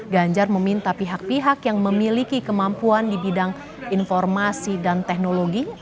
ganjar meminta pihak pihak yang memiliki kemampuan di bidang informasi dan teknologi